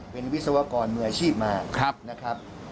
เป็นวิศวกรมืออาชีพมานะครับ